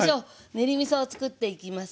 練りみそをつくっていきます。